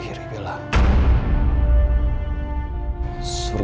gitu kan langen